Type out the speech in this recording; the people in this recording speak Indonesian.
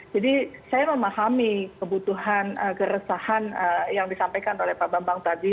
jadi saya memahami kebutuhan keresahan yang disampaikan oleh pak bambang tadi